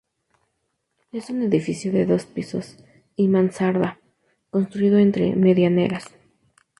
Es un edificio de dos pisos y mansarda, construido entre medianeras.